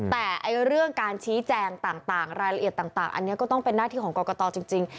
แต่เรื่องการชี้แจงต่างรายละเอียดต่างอันนี้ก็ต้องเป็นหน้าที่ของกรกตจริง